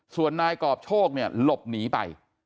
ส่วนนายกรอบโชคเนี่ยหลบหนีไป